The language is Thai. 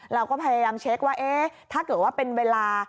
เราก็พยายามเช็คว่าเอ๊ะถ้าเกิดว่าเป็นเวลา